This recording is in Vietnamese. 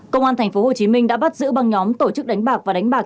công an tp hcm đã bắt giữ băng nhóm tổ chức đánh bạc và đánh bạc